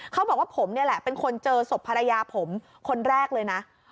เขาบอกว่าผมนี่แหละเป็นคนเจอศพภรรยาผมคนแรกเลยนะ